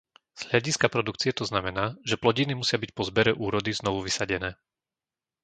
Z hľadiska produkcie to znamená, že plodiny musia byť po zbere úrody znovu vysadené.